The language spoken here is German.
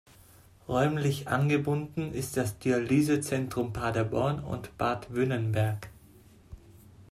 Räumlich angebunden ist das Dialysezentrum Paderborn und Bad Wünnenberg.